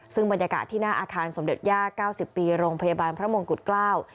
ซึ่งบรรยากาศที่หน้าอาคารสมเด็จย่าเก้าสิบปีโรงพยาบาลพระมงกุฎเกล้า